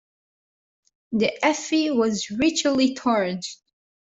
The effigy was ritually torched.